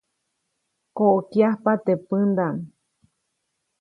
Koʼäkyajpa teʼ pändaʼm.